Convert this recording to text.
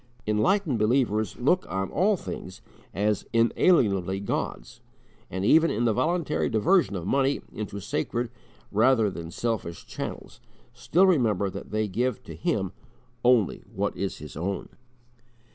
Enlightened believers look on all things as inalienably God's, and, even in the voluntary diversion of money into sacred rather than selfish channels, still remember that they give to Him only what is His own!